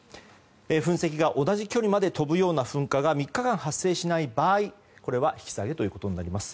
噴石が同じ距離まで飛ぶような噴火が３日間発生しない場合引き下げとなります。